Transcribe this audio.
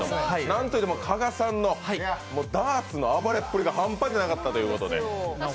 なんといっても加賀さんのダーツの暴れっぷりが半端じゃなかったということで。